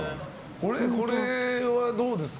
これはどうですか？